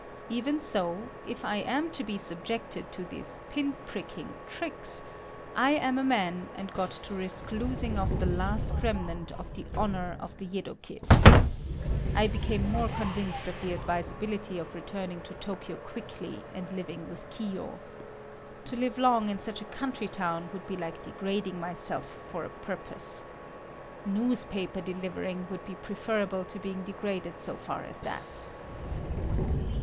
Even so, if I am to be subjected to these pin pricking[L] tricks, I am a man and got to risk losing off the last remnant of the honor of the Yedo kid. I became more convinced of the advisability of returning to Tokyo quickly and living with Kiyo. To live long in such a countrytown would be like degrading myself for a purpose. Newspaper delivering would be preferable to being degraded so far as that.